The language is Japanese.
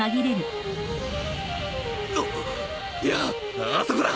あっいやあそこだ！